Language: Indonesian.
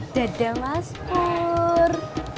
dadah mas pur